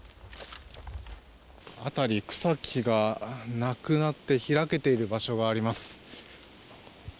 辺り草木がなくなって開けている場所があります。